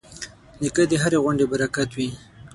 نیکه د هرې غونډې برکت وي.